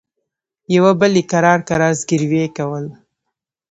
يوه بل يې کرار کرار زګيروي کول.